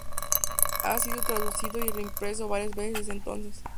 Ha sido traducido y reimpreso varias veces desde entonces.